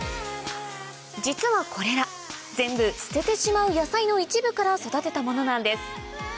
実はこれら全部捨ててしまう野菜の一部から育てたものなんです